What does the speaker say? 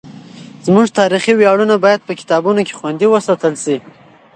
زموږ تاریخي ویاړونه باید په کتابونو کې خوندي وساتل سي.